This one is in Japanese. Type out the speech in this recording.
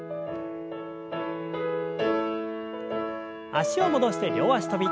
脚を戻して両脚跳び。